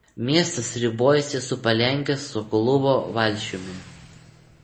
Miestas ribojasi su Palenkės Sokoluvo valsčiumi.